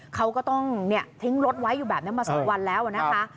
เขาก็ต้องทิ้งรถไว้อยู่แบบนี้มา๒วันแล้วนะคะ